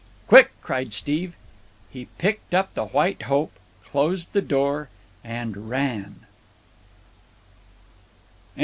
"Quick!" cried Steve. He picked up the White Hope, closed the door, and ran.